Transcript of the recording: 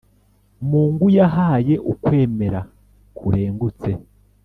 mungu yahaye ukwemera kurengutse!